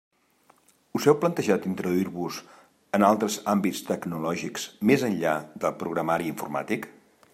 Us heu plantejat introduir-vos en altres àmbits tecnològics més enllà del programari informàtic?